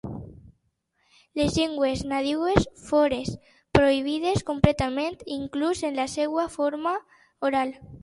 Les llengües nadiues fores prohibides completament inclús en la seva forma oral.